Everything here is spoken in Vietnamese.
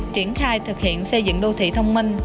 triển khai thực hiện xây dựng đô thị thông minh